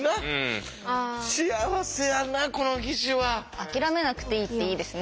諦めなくていいっていいですね。